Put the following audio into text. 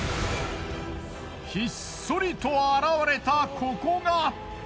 ひっそりと現れたここが。